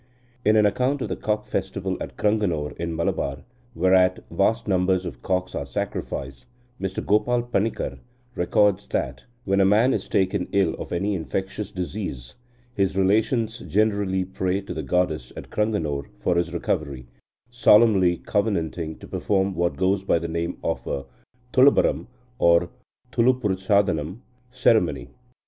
In an account of the cock festival at Cranganore in Malabar, whereat vast numbers of cocks are sacrificed, Mr Gopal Panikkar records that, "when a man is taken ill of any infectious disease, his relations generally pray to the goddess (at Cranganore) for his recovery, solemnly covenanting to perform what goes by the name of a thulabharam (or thulupurushadanam) ceremony.